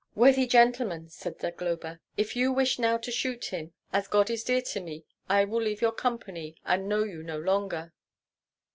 "Worthy gentlemen," said Zagloba, "if you wish now to shoot him, as God is dear to me, I will leave your company and know you no longer."